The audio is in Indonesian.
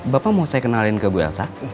bapak mau saya kenalin ke bu elsa